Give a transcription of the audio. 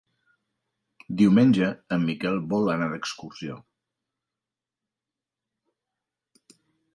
Diumenge en Miquel vol anar d'excursió.